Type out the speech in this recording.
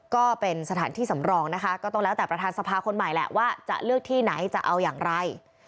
ก็เป็นสถานที่สำรองนะคะก็ต้องแล้วแต่ประธานสภาคนใหม่แหละว่าจะเลือกที่ไหนจะเอาอย่างไร